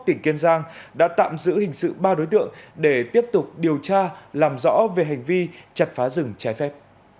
tỉnh kiên giang đã tạm giữ hình sự ba đối tượng để tiếp tục điều tra làm rõ về hành vi chặt phá rừng trái phép